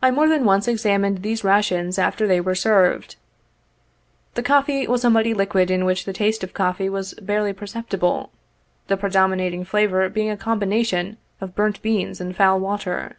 I more than once exam ined these rations after they were served. The coffee was a muddy liquid in which the taste of coffee was barely per ceptible, the predominating flavor being a combination of burnt beans and foul water.